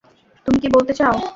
তুমি কি বলতে চাউ?